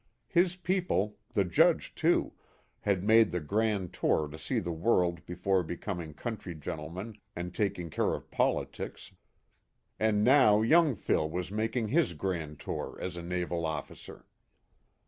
His people the Judge, too had made the "grand tour" to see the world before becoming country gentle men and taking care of politics, and now young Phil was making his grand tour as a naval officer.